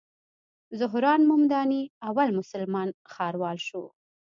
زهران ممداني اول مسلمان ښاروال شو.